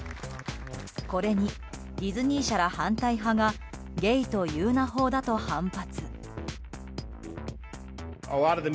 これにディズニー社ら反対派がゲイと言うな法だと反発。